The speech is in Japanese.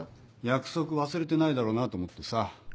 約束忘れてないだろうなと思ってさ。